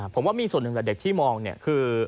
ผมว่ามีส่วนหนึ่งแหละเด็กที่มองเนี่ยคือ